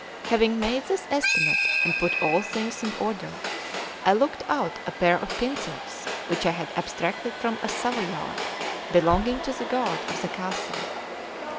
Having made this estimate and put all things in order, I looked out a pair of pincers which I had abstracted from a Savoyard belonging to the guard of the castle.